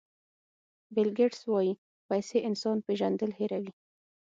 بیل ګېټس وایي پیسې انسان پېژندل هیروي.